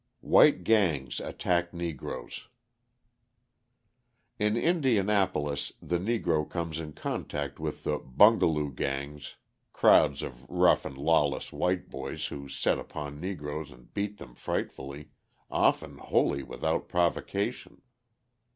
White Gangs Attack Negroes In Indianapolis the Negro comes in contact with the "bungaloo gangs," crowds of rough and lawless white boys who set upon Negroes and beat them frightfully, often wholly without provocation.